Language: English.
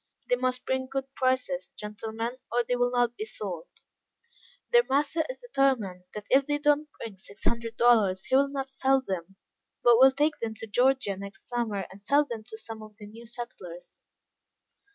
They must bring good prices, gentlemen, or they will not be sold. Their master is determined, that if they do not bring six hundred dollars, he will not sell them, but will take them to Georgia next summer, and sell them to some of the new settlers.